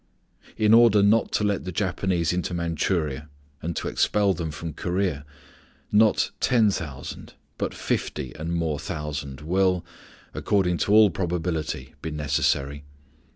In order not to let the Japanese into Manchuria, and to expel them from Korea, not ten thousand, but fifty and more thousands will, according to all probability, be necessary.